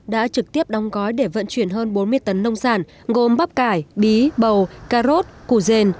đã trực tiếp đóng gói để vận chuyển hơn bốn mươi tấn nông sản gồm bắp cải bí bầu cà rốt củ dền